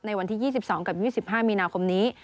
วันที่๒๒กับ๒๕มีนาคมนี้